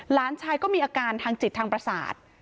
หลานชายก็มีอาการทางจิตทางประสาท